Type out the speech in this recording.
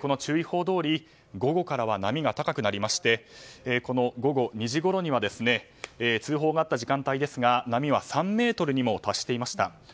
この注意報どおり午後からは波が高くなりまして午後２時ごろには通報があった時間帯ですが波は３ｍにも達していました。